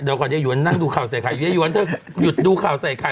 เดี๋ยวก่อนยายหวนนั่งดูข่าวใส่ไข่เยอะหวนเธอหยุดดูข่าวใส่ไข่